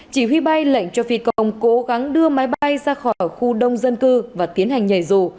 chỉ huy bay lệnh cho phi công cố gắng đưa máy bay ra khỏi khu đông dân cư và tiến hành nhảy dù